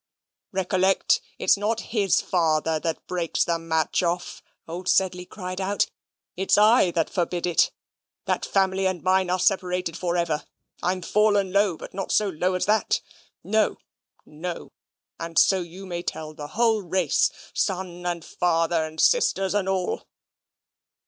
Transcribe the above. "Recollect it's not his father that breaks the match off," old Sedley cried out. "It's I that forbid it. That family and mine are separated for ever. I'm fallen low, but not so low as that: no, no. And so you may tell the whole race son, and father and sisters, and all."